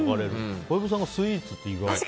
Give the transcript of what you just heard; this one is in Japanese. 小籔さんがスイーツって以外。